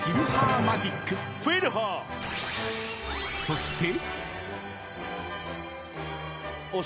［そして］